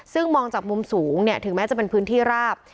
ซึ่งมองจากมุมสูงเนี่ยถึงแม้จะเป็นพื้นที่ราบ